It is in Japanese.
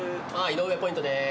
井上ポイントです。